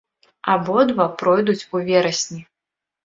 Абодва пройдуць у верасні.